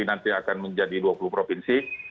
nanti akan menjadi dua puluh provinsi